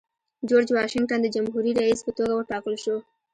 جورج واشنګټن د جمهوري رئیس په توګه وټاکل شو.